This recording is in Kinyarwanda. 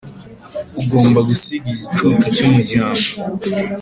ugomba gusiga igicucu cyumuryango